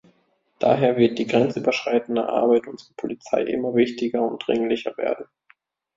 Daher wird die grenzüberschreitende Arbeit unserer Polizei immer wichtiger und dringlicher werden.